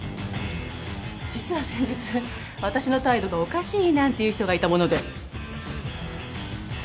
実は先日私の態度がおかしいなんて言う人がいたもので。